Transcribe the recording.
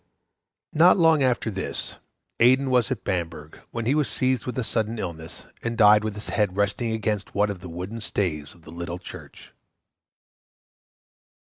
Not long after this, Aidan was at Bamburgh, when he was seized with sudden illness, and died with his head resting against one of the wooden stays of the little church.